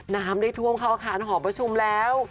น้ำได้ท่วมเข้าอาคารหอประชุมแล้ว